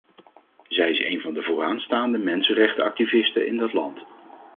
Zij is een van de vooraanstaande mensenrechtenactivisten in dat land.